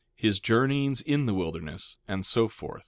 His journeyings in the wilderness, and so forth.